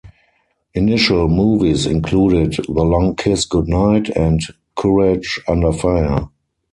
Initial movies included "The Long Kiss Goodnight" and "Courage Under Fire".